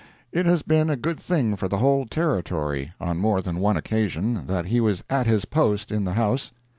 It has been a good thing for the whole Territory, on more than one occasion, that he was at his post in this House.